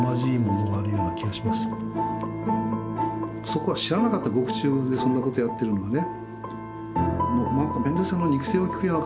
そこは知らなかった獄中でそんなことやってるのはね。